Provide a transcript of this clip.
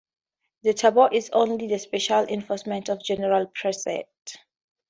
The taboo is only the special enforcement of a general precept.